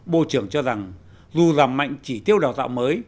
bộ trưởng cho rằng dù giảm mạnh chỉ tiêu đào tạo mới